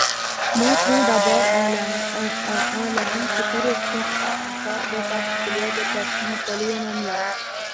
Montrons d'abord un lemme, qui correspond à un cas très particulier d'équation polynomiale.